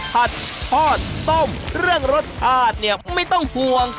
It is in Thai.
ผัดทอดต้มเรื่องรสชาติเนี่ยไม่ต้องห่วง